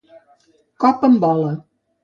Cop en bola.